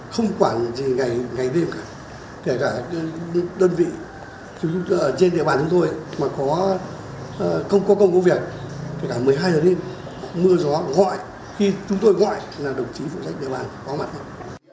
kể cả một mươi hai giờ đêm mưa gió gọi khi chúng tôi gọi là đồng chí phụ trách địa bàn có mặt không